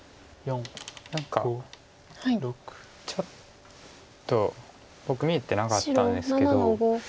何かちょっと僕見えてなかったんですけど。